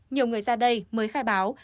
nhiều người ra đây mới khai báo